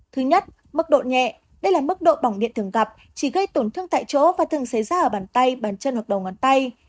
thứ nhất mức độ nhẹ đây là mức độ bỏng điện thường gặp chỉ gây tổn thương tại chỗ và thường xảy ra ở bàn tay bàn chân hoặc đầu ngón tay